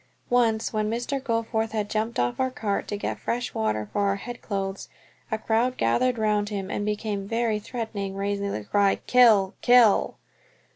Once, when Mr. Goforth had jumped off our cart to get fresh water for our head cloths, a crowd gathered round him and became very threatening, raising the cry, "Kill, kill."